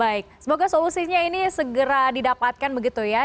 baik semoga solusinya ini segera didapatkan begitu ya